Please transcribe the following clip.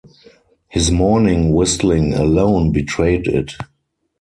His morning whistling alone betrayed it.